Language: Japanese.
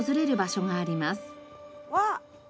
わっ！